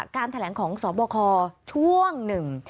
การแถลงของสบคช่วงหนึ่ง